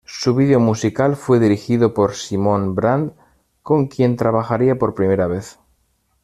Su video musical fue dirigido por Simón Brand, con quien trabajaría por primera vez.